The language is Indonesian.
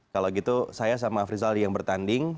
kalau gitu saya sama afrizal yang bertanding